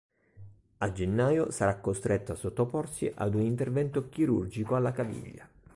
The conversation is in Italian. A gennaio sarà costretto a sottoporsi ad un intervento chirurgico alla caviglia.